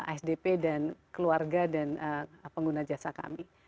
asdp dan keluarga dan pengguna jasa kami